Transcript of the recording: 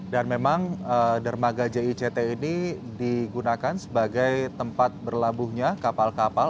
dan memang dermaga jijt ini digunakan sebagai tempat berlabuhnya kapal kapal